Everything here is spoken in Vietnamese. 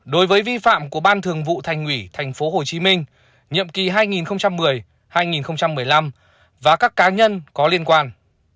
một đối với vi phạm của ban thường vụ thành ủy tp hcm nhiệm kỳ hai nghìn một mươi hai nghìn một mươi năm và các cá nhân có liên quan